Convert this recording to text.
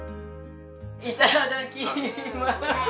いただきます。